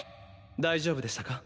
大丈夫でしたか？